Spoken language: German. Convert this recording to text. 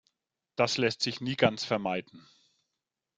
Das lässt sich nie ganz vermeiden.